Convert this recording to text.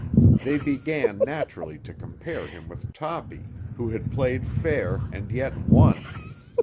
They began naturally to compare him with Toppy, who had played fair and yet won.